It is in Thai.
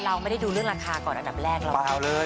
เราไม่ได้ดูเรื่องราคาก่อนอันดับแรกเราเอาเลย